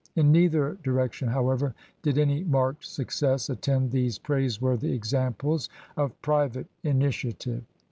In neither direc tion, however, did any marked success attend these praiseworthy examples of private initiative.